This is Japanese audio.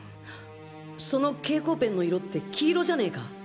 その蛍光ペンの色って黄色じゃねえか？